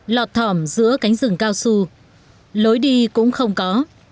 lọt thỏm giữa cánh rừng cao su lối đi cũng không có